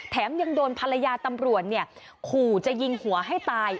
ยังโดนภรรยาตำรวจขู่จะยิงหัวให้ตาย